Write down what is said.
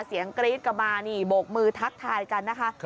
เสียงกรี๊ดกลับมาบกมือทักทายกันนะคะ